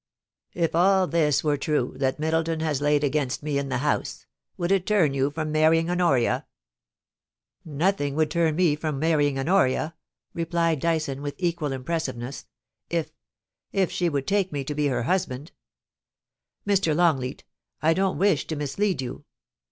If all this were true that Middleton has laid against me in the House, would it turn you from marrying Honoria ?'* Nothing would turn me from marrying Honoria,' replied Dyson, with equal impressiveness, * if — ^if she would take me LAST WORDS. 421 to be her husband Mr. Longleat, I don't wish to mislead you.